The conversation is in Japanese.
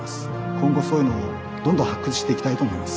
今後そういうのをどんどん発掘していきたいと思います。